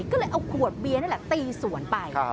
ก็เลยเอาขวดเบียร์นี่แหละตีสวนไป